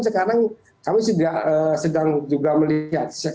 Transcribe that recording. sekarang kami juga sedang melihat